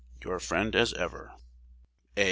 Your friend as ever, A.